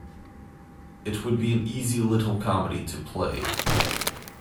It would be an easy little comedy to play.